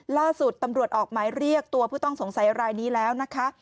ล่าสุดตำรวจออกหมายเรียกตัวผู้ต้องสงสัยรายนี้แล้วนะคะ